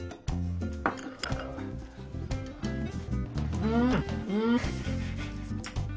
うんうん！